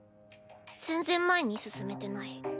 全然前に進めてない。